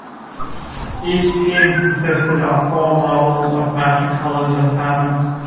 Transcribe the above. Each team consisted of four marbles of matching colors and patterns.